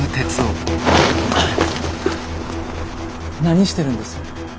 何してるんです？